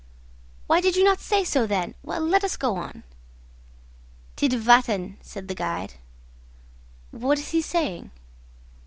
"Why did not you say so then? Well, let us go on." "Tidvatten," said the guide. "What is he saying?"